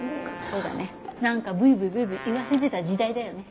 そうだね何かブイブイブイブイいわせてた時代だよね。